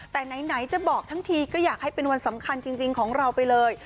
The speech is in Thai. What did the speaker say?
แต่ไหนจะบอกทั้งทีก็อยากให้เป็นวันสำคัญจริงของเราไปเลย